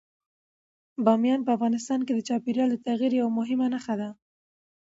بامیان په افغانستان کې د چاپېریال د تغیر یوه مهمه نښه ده.